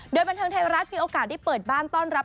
โดยบันเทิงไทยรัฐมีโอกาสได้เปิดบ้านต้อนรับ